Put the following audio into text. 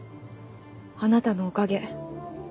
あなたのおかげ。